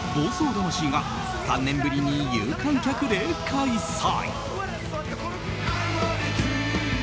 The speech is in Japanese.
魂‐」が３年ぶりに有観客で開催。